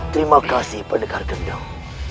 terima kasih pendekar gendeng